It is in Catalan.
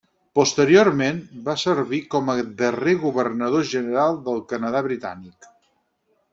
Posteriorment va servir com el darrer Governador General del Canadà britànic.